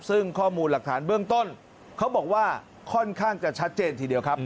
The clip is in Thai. ซึ่งข้อมูลหลักฐานเบื้องต้นเขาบอกว่าค่อนข้างจะชัดเจนทีเดียวครับ